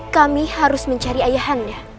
kami harus mencari ayah anda